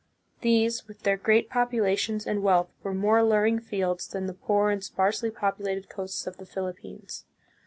These, with their great populations and wealth, were more allur ing fields than the poor and sparsely populated coasts of the Philippines.